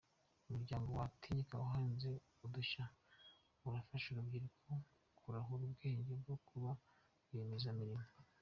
Umuryango wa tinyika uhange udushya urafasha urubyiruko kurahura ubwenge bwo kuba ba rwiyemezamirimo